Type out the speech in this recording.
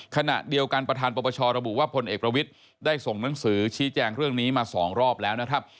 ขณะเดียวกันประธานปปชระบุว่าพลเอกประวิทย์ได้ส่งหนังสือชี้แจงเรื่องนี้มา๒รอบแล้วนะครับ